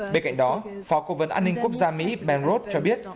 bên cạnh đó phó cổ vấn an ninh quốc gia mỹ ben roth cho biết